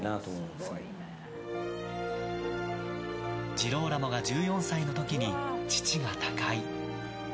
ジローラモが１４歳の時に父が他界。